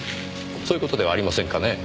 そういう事ではありませんかね？